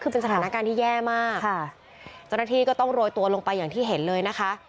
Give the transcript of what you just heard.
คือเป็นสถานการณ์ที่แย่มากค่ะเจ้าหน้าที่ก็ต้องโรยตัวลงไปอย่างที่เห็นเลยนะคะ